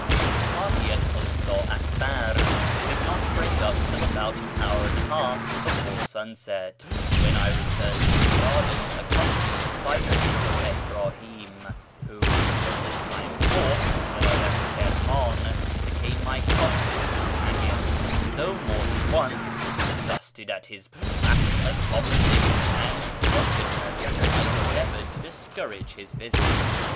— The party at Usta Akbar's did not break up till about an hour and a half before sunset, when I returned to the garden accompanied by Sheykh Ibrahim, who from this time forth until I left Ivirman became my constant companion, though more than once, disgusted at his blasphemous conversation and drunkenness, I endeavoured to discourage his visits.